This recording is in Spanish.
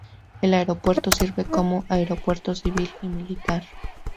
El aeropuerto sirve como aeropuerto civil y militar.